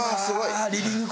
リビング？